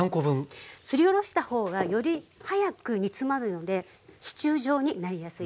すりおろした方がより早く煮詰まるのでシチュー状になりやすいです。